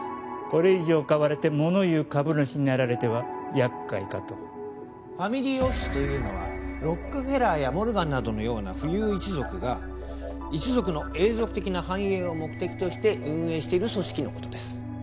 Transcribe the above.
これ以上買われて物言う株主になられてはやっかいかとファミリーオフィスというのはロックフェラーやモルガンなどのような富裕一族が一族の永続的な繁栄を目的として運営している組織のことです